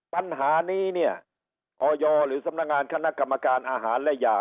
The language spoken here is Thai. ปัญหานี้เนี่ยออยหรือสำนักงานคณะกรรมการอาหารและยา